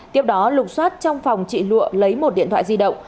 tiếp đó lục xoát trong phòng trị lụa lấy một điện thoại di động